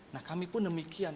nah kami pun demikian